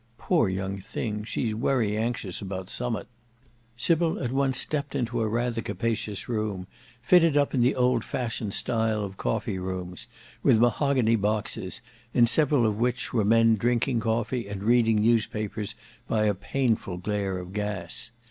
"Poor young thing! she's wery anxious about summut." Sybil at once stepped into a rather capacious room, fitted up in the old fashioned style of coffee rooms, with mahogany boxes, in several of which were men drinking coffee and reading newspapers by a painful glare of gas.